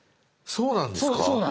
そうなんです。